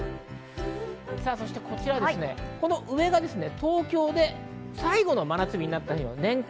こちら上は東京で最後の真夏日になった日。